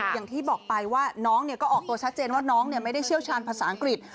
อย่างที่บอกไปว่าน้องก็ออกตัวชัดเจนว่าน้องไม่ได้เชี่ยวชาญภาษาอังกฤษ